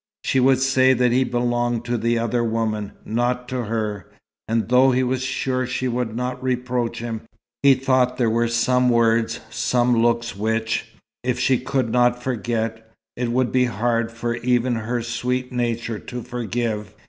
She would say that he belonged to the other woman, not to her. And though he was sure she would not reproach him, he thought there were some words, some looks which, if she could not forget, it would be hard for even her sweet nature to forgive.